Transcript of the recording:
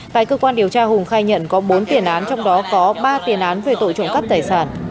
tại cơ quan điều tra hùng khai nhận có bốn tiền án trong đó có ba tiền án về tội trộm cắp tài sản